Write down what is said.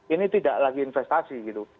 ini tidak lagi investasi gitu